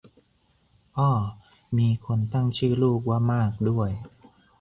อ้อมีคนตั้งชื่อลูกว่ามากด้วย